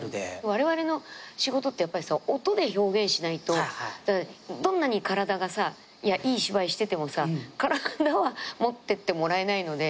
われわれの仕事ってやっぱり音で表現しないとどんなに体がいい芝居してても体は持ってってもらえないので。